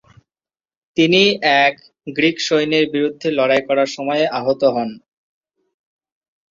তিনি এক গ্রীক সৈন্যের বিরুদ্ধে লড়াই করার সময়ে আহত হন।